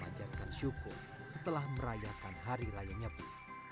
dengan itu termajatkan syukur setelah merayakan hari raya nyepi